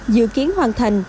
dự kiến hoàn thành